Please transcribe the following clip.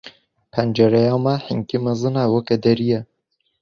Pencereya me hingî mezin e wekî derî ye.